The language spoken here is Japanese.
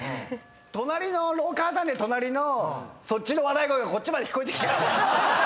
隣の廊下挟んで隣のそっちの笑い声がこっちまで聞こえてきた。